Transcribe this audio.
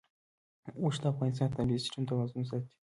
اوښ د افغانستان د طبعي سیسټم توازن ساتي.